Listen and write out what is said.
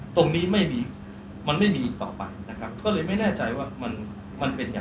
ตรงนี้ไม่มีมันไม่มียิ่งต่อไป